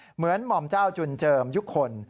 เหมือนหม่อมเจ้าจุนเจิมยุคคล